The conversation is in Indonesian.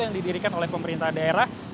yang didirikan oleh pemerintah daerah